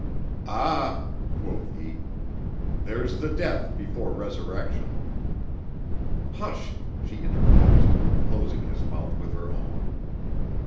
"Ah," quoth he, "there's the Death before Resurrection." "Hush!" she interposed, closing his mouth with her own.